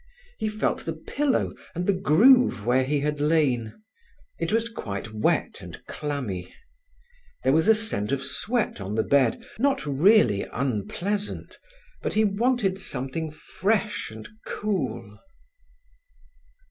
He felt the pillow and the groove where he had lain. It was quite wet and clammy. There was a scent of sweat on the bed, not really unpleasant, but he wanted something fresh and cool.